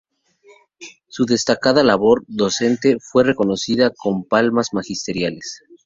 Su destacada labor docente fue reconocida con las Palmas Magisteriales.